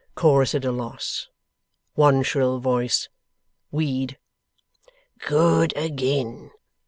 Chorus at a loss. One shrill voice: 'Weed!' 'Good agin!